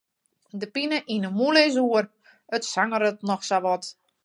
De pine yn 'e mûle is oer, it sangeret noch sa wat.